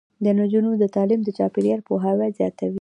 د نجونو تعلیم د چاپیریال پوهاوی زیاتوي.